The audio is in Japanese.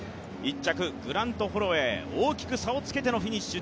１着、グラント・ホロウェイ、大きく差をつけてのフィニッシュ。